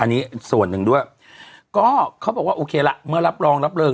อันนี้ส่วนหนึ่งด้วยก็เขาบอกว่าโอเคละเมื่อรับรองรับเริง